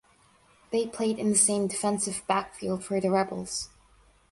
They played in the same defensive backfield for the Rebels.